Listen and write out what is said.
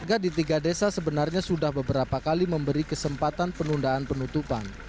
warga di tiga desa sebenarnya sudah beberapa kali memberi kesempatan penundaan penutupan